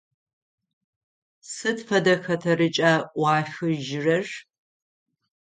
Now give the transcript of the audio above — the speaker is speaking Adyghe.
Сыд фэдэ хэтэрыкӏа ӏуахыжьырэр?